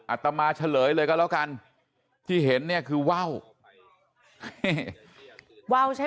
อัตมาเฉลยเลยก็แล้วกันที่เห็นคือว่าว